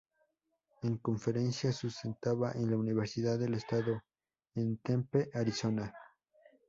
En conferencia sustentada en la "Universidad del Estado" en Tempe, Arizona.